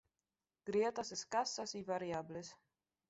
Grietas escasas y variables.